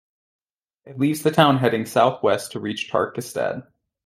It leaves the town heading south-west to reach Tarkastad.